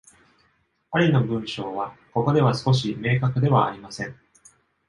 アリの文章は、ここでは少し明確ではありません。